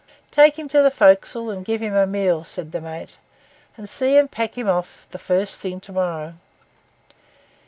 'Take him to the forecastle and give him a meal,' said the mate, 'and see and pack him off the first thing to morrow.